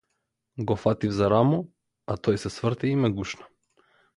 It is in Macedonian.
Го фатив за рамо, а тој се сврте и ме гушна.